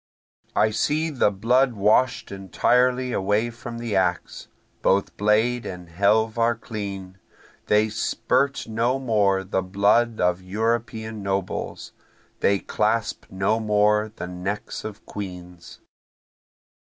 I see the blood wash'd entirely away from the axe, Both blade and helve are clean, They spirt no more the blood of European nobles, they clasp no more the necks of queens.